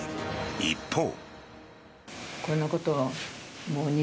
一方。